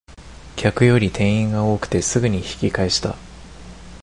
客より店員が多くてすぐに引き返した